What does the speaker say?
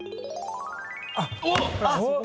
おっ！